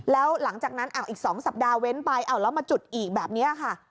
แล้วหลังจากนั้นอีก๒สัปดาห์เว้นไปแล้วมาจุดอีกแบบนี้ค่ะ